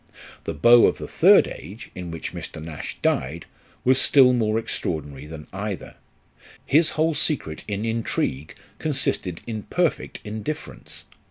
The beau of the third age, in which Mr. Nash died, was still more extraordinary than either ; his whole secret in intrigue consisted in perfect indifference.